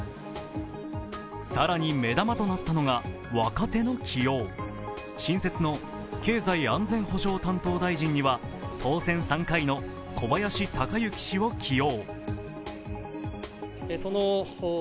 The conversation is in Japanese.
更に、目玉となったのが若手の起用新設の経済安全保障担当大臣には当選３回の小林鷹之氏を起用。